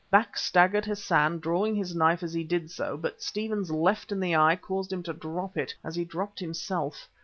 Back staggered Hassan, drawing his knife as he did so, but Stephen's left in the eye caused him to drop it, as he dropped himself.